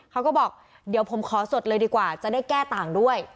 เขาก็บอกเดี๋ยวผมขอสดเลยดีกว่าจะได้แก้ต่างด้วย